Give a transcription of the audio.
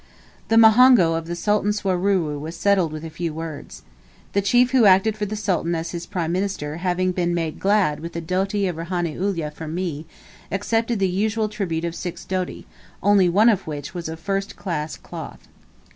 The muhongo of the Sultan Swaruru was settled with few words. The chief who acted for the Sultan as his prime minister having been "made glad" with a doti of Rehani Ulyah from me, accepted the usual tribute of six doti, only one of which was of first class cloth.